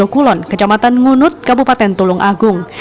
di desa sumber jokulon kejamatan ngunut kabupaten tulung agung